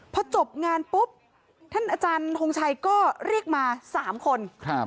พอจบงานปุ๊บท่านอาจารย์ทงชัยก็เรียกมา๓คน